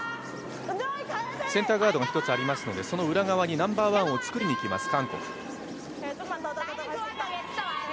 センターガードが１つありますのでその裏側にナンバーワンを作りにいきます、韓国。